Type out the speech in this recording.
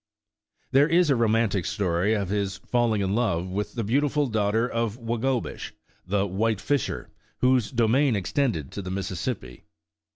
There is a romantic story of his falling in love with the beautiful daughter of Wagobish, the "White Fisher," whose domain extended to the Mississippi.